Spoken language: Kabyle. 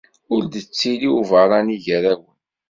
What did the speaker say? Ur d-ittili uberrani gar-awen.